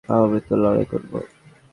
আমৃত্যু লড়াই করব।